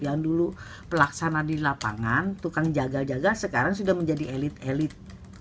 itu pelaksanaan di lapangan tukang jaga jaga sekarang sudah menjadi elit elit